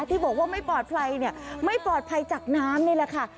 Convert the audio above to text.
ที่บอกว่าไม่ปลอดภัยเนี่ยไม่ปลอดภัยจากน้ำนี่แหละค่ะ